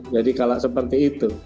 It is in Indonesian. jadi kalau seperti itu